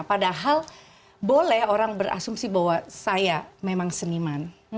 padahal boleh orang berasumsi bahwa saya memang seniman